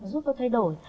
giúp tôi thay đổi